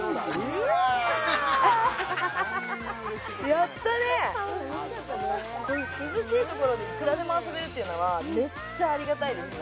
やったねこういう涼しいところでいくらでも遊べるっていうのはめっちゃありがたいですね